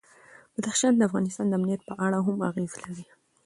بدخشان د افغانستان د امنیت په اړه هم اغېز لري.